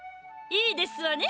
いいですわね